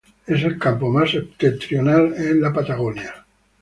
Es el campo más septentrional en la Patagonia.